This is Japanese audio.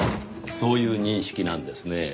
そういう認識なんですねぇ。